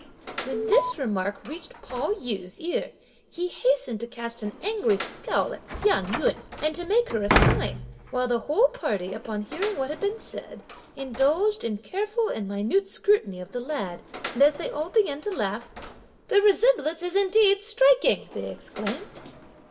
When this remark reached Pao yü's ear, he hastened to cast an angry scowl at Hsiang yün, and to make her a sign; while the whole party, upon hearing what had been said, indulged in careful and minute scrutiny of (the lad); and as they all began to laugh: "The resemblance is indeed striking!" they exclaimed.